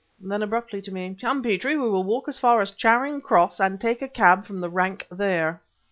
Then, abruptly, to me: "Come, Petrie, we will walk as far as Charing Cross and take a cab from the rank there."